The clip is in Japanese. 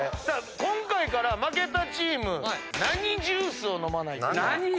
今回から負けたチームナニジュースを飲まないと。